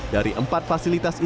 dari empat fasilitas ini